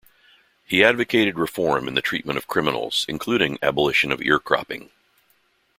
He advocated reform in the treatment of criminals, including abolition of ear cropping.